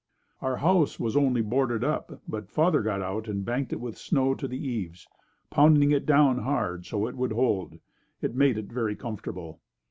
Our house was only boarded up but father got out and banked it with snow to the eaves, pounding it down hard so it would hold. It made it very comfortable.